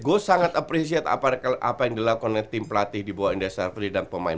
gue sangat appreciate apa yang dilakukan tim pelatih di bawah industrial fleet dan pemain